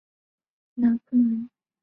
拿破仑也曾经在这里学习过。